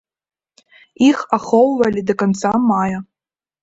Іх ахоўвалі да канца мая.